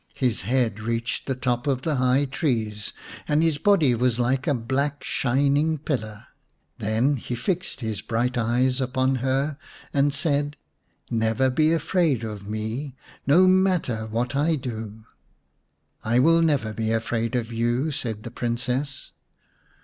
His head reached to the top of the high trees, and his body was like a black shining pillar. Then he fixed his bright eyes upon her and said, "Never be afraid of me, no matter what I do." 89 The Serpent's Bride vm " I will never be afraid of you," said the Princess.